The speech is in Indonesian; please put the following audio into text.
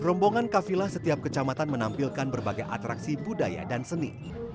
rombongan kafilah setiap kecamatan menampilkan berbagai atraksi budaya dan seni